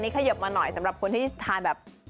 ขยบมาหน่อยสำหรับคนที่ทานแบบ